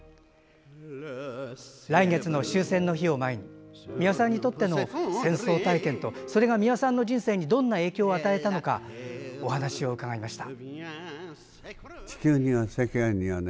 来月の終戦の日を前に美輪さんにとっての戦争体験とそれが美輪さんの人生にどんな影響を与えたのかお話を伺いました。